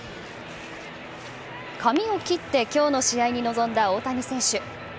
髪を切ってきょうの試合に臨んだ大谷選手。